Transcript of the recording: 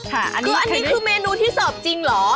อันนี้คือเมนูที่เสิร์ฟจริงเหรอ